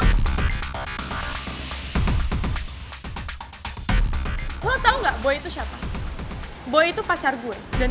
gue gak butuh penjelasan dari dia